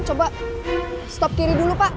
coba stop kiri dulu pak